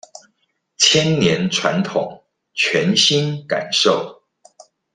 千年傳統全新感受